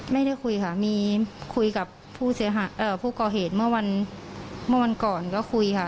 ไม่ได้คุยค่ะมีคุยกับผู้ก่อเหตุเมื่อวันก่อนก็คุยค่ะ